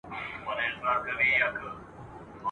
منظور پښتین د پښتنو د دې زرکلن ..